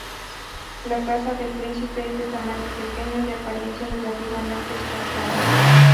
La Casa del Príncipe es de tamaño pequeño, de apariencia relativamente espartana.